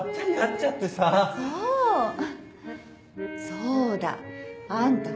そうだあんた